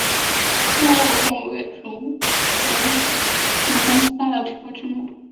窜红后为组合与公司大大提高知名度。